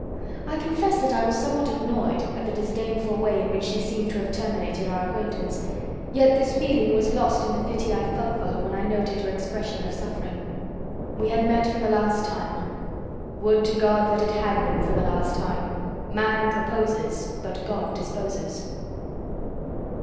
I confess that I was somewhat annoyed at the disdainful way in which she seemed to have terminated our acquaintance, yet this feeling was lost in the pity I felt for her when I noted her expression of suffering. We had met for the last time. Would to God that it had been for the last time! Man proposes, but God disposes.